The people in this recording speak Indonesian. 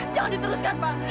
jangan diteruskan pak